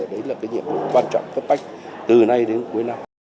đấy là nhiệm vụ quan trọng cấp tách từ nay đến cuối năm